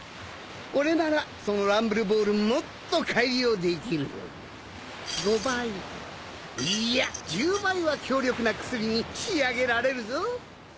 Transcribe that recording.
俺ならそのランブルボールもっと改良できる５倍いや１０倍は強力な薬に仕上げられるぞ